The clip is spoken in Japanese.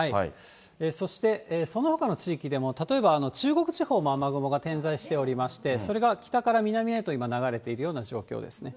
そしてそのほかの地域でも、例えば、中国地方も雨雲が点在しておりまして、それが北から南へと今、流れているような状況ですね。